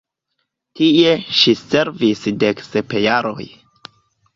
Tie ŝi servis dek sep jaroj.